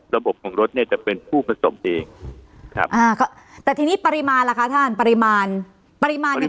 ระบบของรถจะเป็นผู้ผสมด้วยครับ